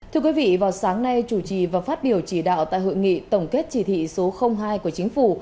thưa quý vị vào sáng nay chủ trì và phát biểu chỉ đạo tại hội nghị tổng kết chỉ thị số hai của chính phủ